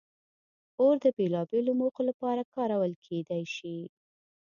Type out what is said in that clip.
اور د بېلابېلو موخو لپاره کارول کېدی شي.